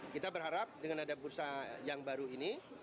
kita berharap dengan ada bursa yang baru ini